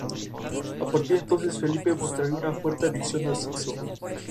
Bale fue un activista de causas ambientales y de los derechos de los animales.